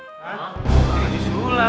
hah haji sulam